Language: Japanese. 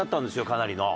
かなりの。